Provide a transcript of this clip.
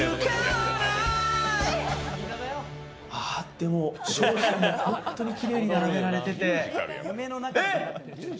でも、商品も本当にきれいに並べられてて。